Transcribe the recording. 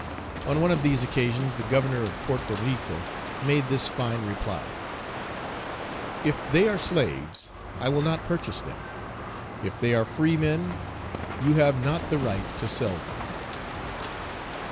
On one of these occasions, the Governor of Porto Rico made this fine reply: "If they are slaves, I will not purchase them; if they are free men, you have not the right to sell them."